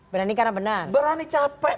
berani karena benar berani capek